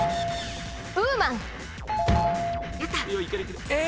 ウーマン！え⁉